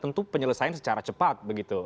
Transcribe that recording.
tentu penyelesaian secara cepat